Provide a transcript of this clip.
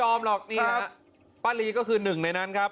ไม่พร้อมหรอกนี่นะป้าลีก็คือหนึ่งในนั้นครับ